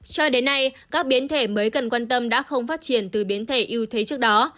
cho đến nay các biến thể mới cần quan tâm đã không phát triển từ biến thể yêu thế trước đó